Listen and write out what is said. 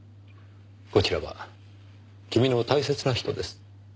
こちらは君の大切な人です。